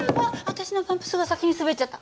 私のパンプスが先に滑っちゃった。